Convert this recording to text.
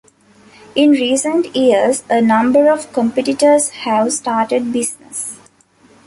In recent years a number of competitors have started business.